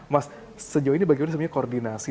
mas sejauh ini bagaimana sebenarnya koordinasi